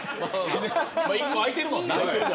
１個空いてるもんな。